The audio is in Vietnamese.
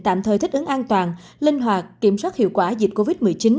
tạm thời thích ứng an toàn linh hoạt kiểm soát hiệu quả dịch covid một mươi chín